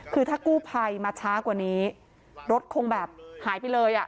คือถ้ากู้ภัยมาช้ากว่านี้รถคงแบบหายไปเลยอ่ะ